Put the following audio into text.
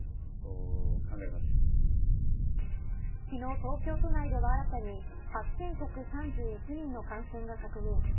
昨日、東京都内では新たに８１３１人の感染が確認。